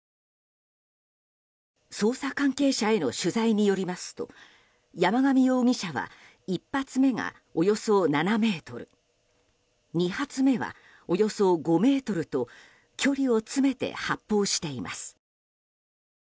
捜査関係者への取材によりますと山上容疑者は１発目がおよそ７ｍ２発目はおよそ５ｍと距離を詰めて発砲しています。